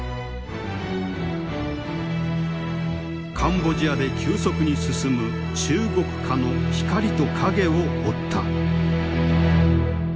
カンボジアで急速に進む中国化の光と影を追った。